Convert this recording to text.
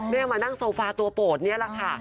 แม่มานั่งโซฟาตัวโปรดนี่แหละค่ะ